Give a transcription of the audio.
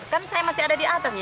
kan saya masih ada di atas